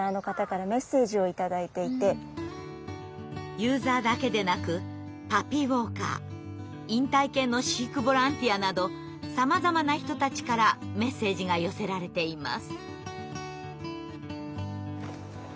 ユーザーだけでなくパピーウォーカー引退犬の飼育ボランティアなどさまざまな人たちからメッセージが寄せられています。